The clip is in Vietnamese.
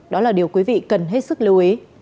đó là điều quý vị cần hết sức lưu ý